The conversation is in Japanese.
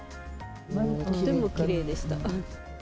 とってもきれいでした。